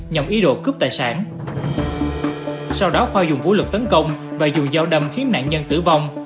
nhằm ý đồ cướp tài sản sau đó khoa dùng vũ lực tấn công và dùng dao đâm khiến nạn nhân tử vong